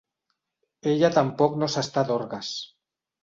Ella tampoc no s'està d'orgues.